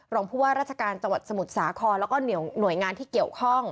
รองผู้ว่าราชการจังหวัดสมุทรสาครแล้วก็หน่วยงานที่เกี่ยวข้อง